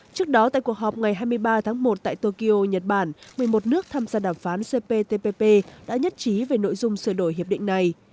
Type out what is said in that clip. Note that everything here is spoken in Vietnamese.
trước đó tại cuộc họp ngày hai mươi ba tháng một tại tokyo nhật bản một mươi một nước tham gia đàm phán cptpp đã nhất trí về nội dung sửa đổi hiệp định này